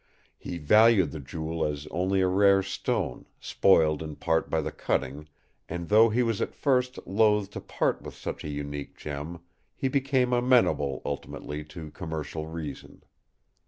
He valued the jewel as only a rare stone, spoiled in part by the cutting; and though he was at first loth to part with such an unique gem, he became amenable ultimately to commercial reason.